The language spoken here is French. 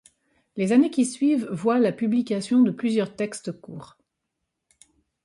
Les années qui suivent voient la publication de plusieurs textes courts.